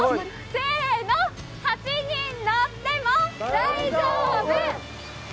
せーの、８人乗っても大丈夫！